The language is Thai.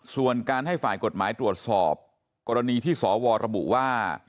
ส่วนการให้ฝ่ายกฎหมายตรวจสอบกรณีที่สวระบุว่า